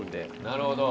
なるほど。